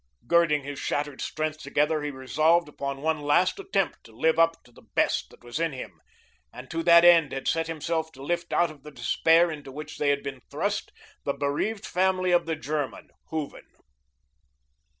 Girding his shattered strength together, he resolved upon one last attempt to live up to the best that was in him, and to that end had set himself to lift out of the despair into which they had been thrust, the bereaved family of the German, Hooven.